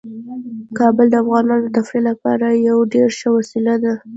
کابل د افغانانو د تفریح لپاره یوه ډیره ښه وسیله ده.